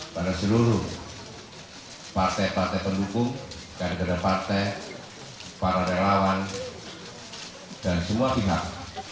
pada seluruh partai partai pendukung kader kader partai para relawan dan semua pihak